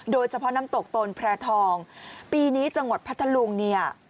โดยเฉพาะน้ำตกตนแพร่ทองปีนี้จังหวัดพัทธลุงเนี่ย